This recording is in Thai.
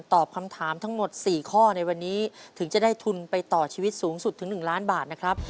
ตอบคำถามทั้งหมด๔ข้อในวันนี้ถึงจะได้ทุนไปต่อชีวิตสูงสุดถึง๑ล้านบาทนะครับ